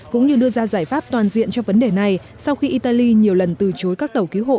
cũng như đưa ra giải pháp toàn diện cho vấn đề này sau khi italy nhiều lần từ chối các tàu cứu hộ